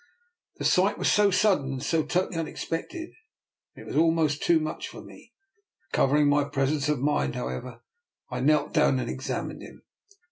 The sight was so sudden, and so to tally unexpected, that it was almost too much for me. Recovering my presence of mind, however, I knelt down and examined him.